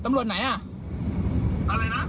ตำรวจหมวกส้มอ่ะตำรวจไหนอ่ะ